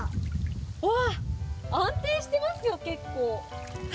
おー、安定してますよ、結構。